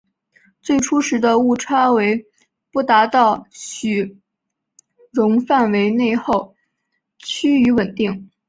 最初时的误差为不达到许容范围内后趋于稳定。